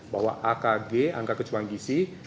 bahwa akg angka kecurangan gisi